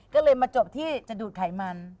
ก็เลยมาจบที่จะดูดไขมัน